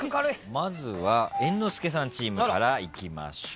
まずは猿之助さんチームからいきましょう。